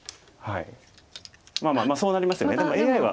まあまあまあそうなりますよねでもＡＩは。